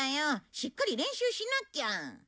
しっかり練習しなきゃ。